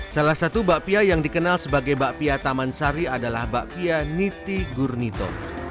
salah satu mbak pia yang dikenal sebagai mbak pia taman sari adalah mbak pia niti gurnito